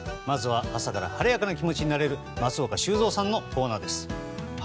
まずは朝から晴れやかな気持ちになれる松岡修造さんのコーナーです。